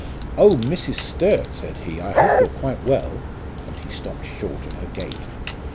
"Oh, Mrs. Sturt!" said he, "I hope you're quite well," and he stopped short at her gate.